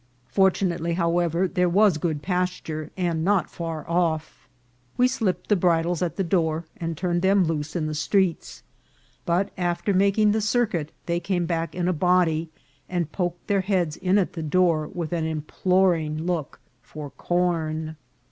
Fortunately, how ever, there was good pasture, and not far off. We slipped the bridles at the door and turned them loose in the streets ; but after making the circuit they came back in a body, and poked their heads in at the door with an imploring look for corn.